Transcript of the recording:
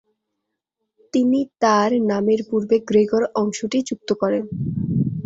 তিনি তার নামের পূর্বে গ্রেগর অংশটি যুক্ত করেন।